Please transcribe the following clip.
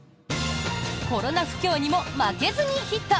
コロナ不況にも負けずにヒット！